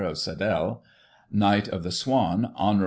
of Saddell ; Knight of the Swan, HON.